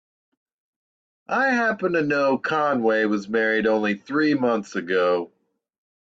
I happen to know Conway was married only three months ago.